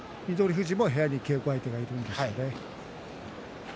富士も部屋に稽古相手がいるんですね。